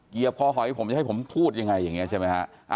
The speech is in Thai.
เหยียบคอหอยผมจะให้ผมพูดยังไงอย่างนี้ใช่ไหมฮะ